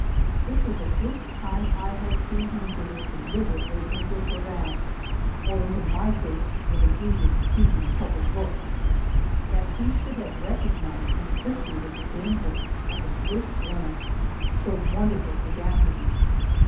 This was the first time I had seen him gaze deliberately into a crevasse, or into my face with an eager, speaking, troubled look. That he should have recognized and appreciated the danger at the first glance showed wonderful sagacity.